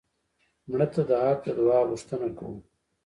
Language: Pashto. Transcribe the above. مړه ته د حق د دعا غوښتنه کوو